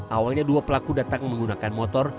awalnya dua pelaku datang menggunakan motor